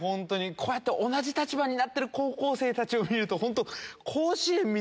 こうやって同じ立場になってる高校生たちを見るとホント。